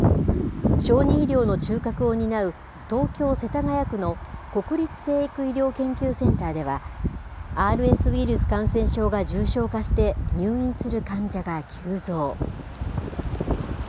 小児医療の中核を担う東京・世田谷区の国立成育医療研究センターでは、ＲＳウイルス感染症が重症化して入院する患者が急増。